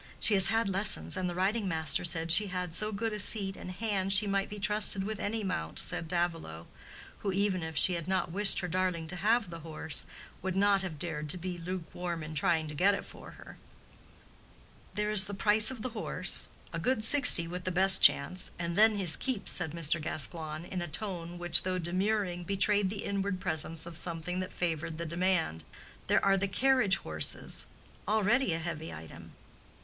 She has had lessons, and the riding master said she had so good a seat and hand she might be trusted with any mount," said Mrs. Davilow, who, even if she had not wished her darling to have the horse, would not have dared to be lukewarm in trying to get it for her. "There is the price of the horse—a good sixty with the best chance, and then his keep," said Mr. Gascoigne, in a tone which, though demurring, betrayed the inward presence of something that favored the demand. "There are the carriage horses—already a heavy item.